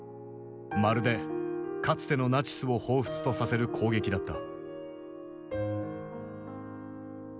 まるでかつてのナチスを彷彿とさせる攻撃だった。